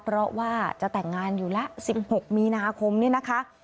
เพราะว่าจะแต่งงานอยู่แล้ว๑๖มีนาคมเนี่ยนะคะ